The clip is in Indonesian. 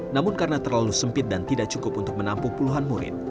namun karena terlalu sempit dan tidak cukup untuk menampung puluhan murid